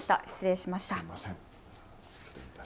失礼しました。